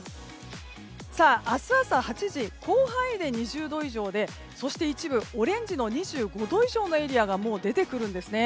明日朝８時広範囲で２０度以上でそして一部、オレンジの２５度以上のエリアがもう出てくるんですね。